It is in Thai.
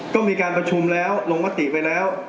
ก็มีการประชุมแล้วลงมติไปแล้ว